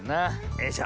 よいしょ。